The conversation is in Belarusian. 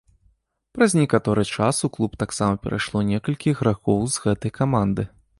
Праз некаторы час у клуб таксама перайшло некалькі ігракоў з гэтай каманды.